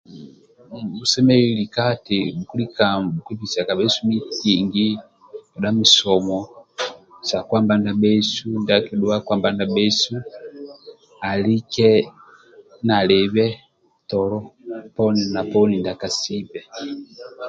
Bhasemelelu lika ti bhulika nibhukubisa kabhesu meeting kedha misomo sa kwamba ndiabhesu ndia akidhua kwamba ndiabhesu alike nalibe tolo poni na poni.